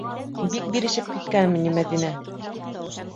- Бик бирешеп киткәнме ни Мәҙинә?